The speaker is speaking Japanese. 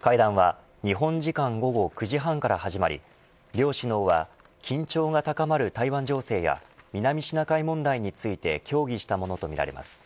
会談は日本時間午後９時半から始まり両首脳は緊張が高まる台湾情勢や南シナ海問題について協議したものとみられます。